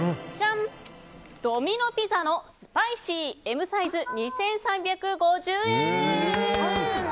ドミノ・ピザのスパイシーＭサイズ、２３５０円。